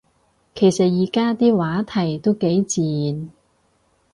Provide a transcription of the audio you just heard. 其實而家啲話題都幾自然